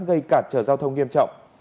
gây cản trở giao thông nghiêm trọng